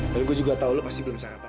dan gue juga tahu lo pasti belum sarapan